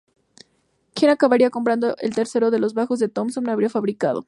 Ken acabaría comprando el tercero de los bajos que Thompson había fabricado.